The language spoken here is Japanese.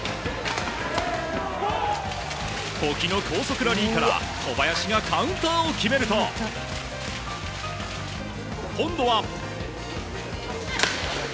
保木の高速ラリーから小林がカウンターを決めると今度は。